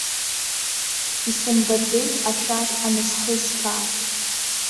Исымбаӡеит ашәақь анысхысԥаа.